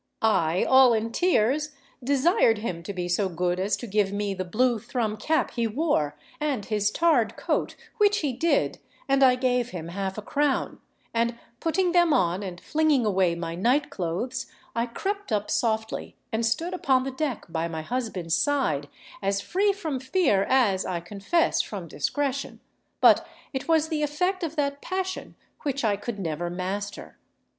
I, all in tears, desired him to be so good as to give me the blue thrum cap he wore and his tarred coat, which he did, and I gave him half a crown; and putting them on, and flinging away my night clothes, I crept up softly and stood upon the deck by my husband's side, as free from fear as, I confess, from discretion; but it was the effect of that passion which I could never master.